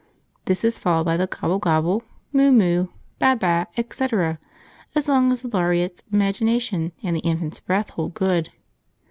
This is followed by the gobble gobble, moo moo, baa baa, etc., as long as the laureate's imagination and the infant's breath hold good.